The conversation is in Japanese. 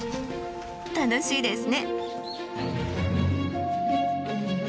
楽しいですね。